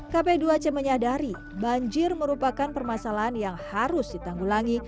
kp dua c menyadari banjir merupakan permasalahan yang harus ditanggulangi